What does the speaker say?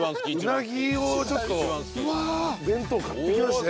うなぎをちょっと弁当買ってきまして。